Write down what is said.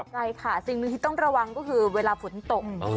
ใช่ค่ะสิ่งหนึ่งที่ต้องระวังก็คือเวลาฝนตก